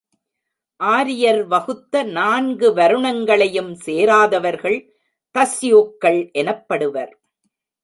ஆரியர் வகுத்த நான்கு வருணங்களையும் சேராதவர்கள் தஸ்யூக்கள் எனப்படுவர்.